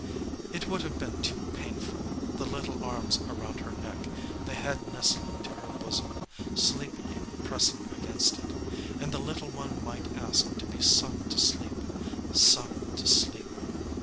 It would have been too painful. The little arms around her neck, the head nestling to her bosom, sleepily pressing against it. And the little one might ask to be sung to sleep. Sung to sleep!